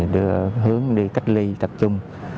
đưa hướng đi cách ly tập trung